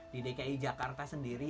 di dki jakarta sendiri